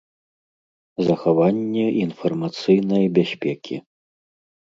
Захаванне iнфармацыйнай бяспекi.